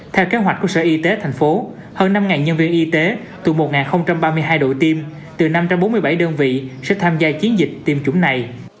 theo kế hoạch của sở y tế tp hcm hơn năm nhân viên y tế từ một ba mươi hai đội tiêm từ năm trăm bốn mươi bảy đơn vị sẽ tham gia chiến dịch tiêm chủng này